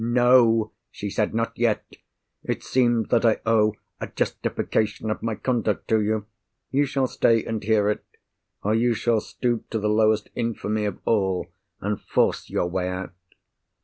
"No!" she said. "Not yet! It seems that I owe a justification of my conduct to you. You shall stay and hear it. Or you shall stoop to the lowest infamy of all, and force your way out."